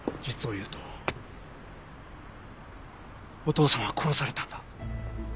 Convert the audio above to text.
実を言うとお父さんは殺されたんだ。